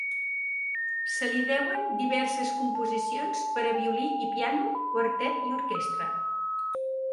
Se li deuen diverses composicions per a violí i piano, quartet i orquestra.